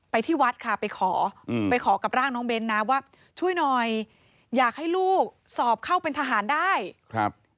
ไปที่วัดค่ะไปขอกับร่างน้องเบ้นนะว่า